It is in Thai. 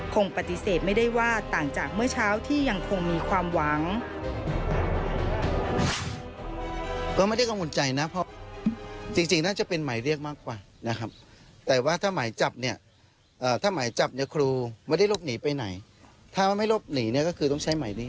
คงปฏิเสธไม่ได้ว่าต่างจากเมื่อเช้าที่ยังคงมีความหวัง